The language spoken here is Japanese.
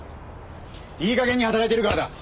いい加減に働いてるからだ！